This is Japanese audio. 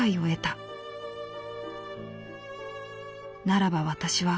ならば私は。